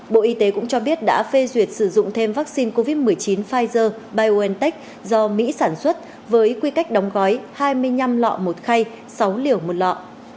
bộ y tế cũng cho biết đã phê duyệt sử dụng thêm vaccine covid một mươi chín pfizer biontech do mỹ sản xuất với quy cách đóng gói hai mươi năm lọ một khay sáu liều một lọ